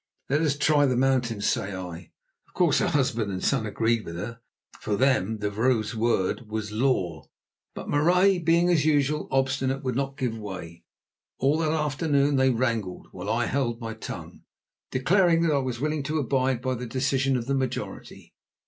Let us try the mountains, say I." Of course her husband and son agreed with her, for to them the vrouw's word was law; but Marais, being, as usual, obstinate, would not give way. All that afternoon they wrangled, while I held my tongue, declaring that I was willing to abide by the decision of the majority.